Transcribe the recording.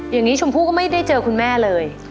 อย่างนี้ชมพู่ก็ไม่ได้เจอคุณแม่เลย